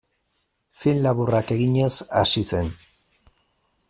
Film laburrak eginez hasi zen.